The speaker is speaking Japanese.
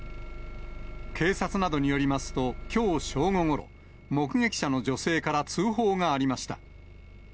警察などによりますと、きょう正午ごろ、目撃者の女性から通報がありました。